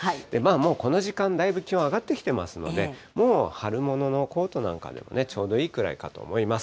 もうこの時間、だいぶ気温上がってきてますので、もう春物のコートなんかでもちょうどいいくらいかと思います。